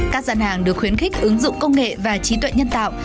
các dân hàng được khuyến khích ứng dụng công nghệ và trí tuệ nhân tạo